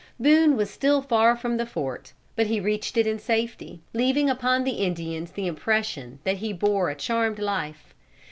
Boone was still far from the fort, but he reached it in safety, leaving upon the Indians the impression that he bore a charmed life.